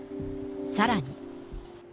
さらに。